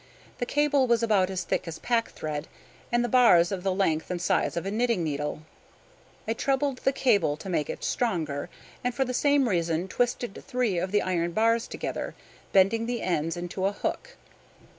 The cable was about as thick as packthread, and the bars of the length and size of a knitting needle. I trebled the cable to make it stronger, and for the same reason twisted three of the iron bars together, bending the ends into a hook.